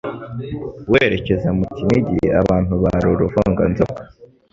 werekeza mu Kinigi abantu bari uruvunganzoka,